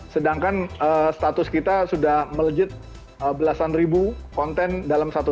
sedangkan status kita sudah melejit belasan ribu konten dalam satu